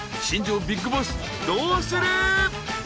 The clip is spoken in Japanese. ［新庄ビッグボスどうする？］